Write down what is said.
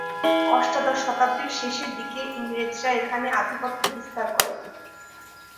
অষ্টাদশ শতাব্দীর শেষের দিকে ইংরেজরা এখানে আধিপত্য বিস্তার করে।